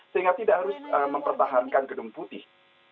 sehingga tidak harus mempertahankan gedung putih